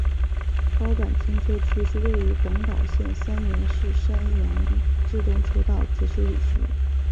高坂停车区是位于广岛县三原市的山阳自动车道之休息区。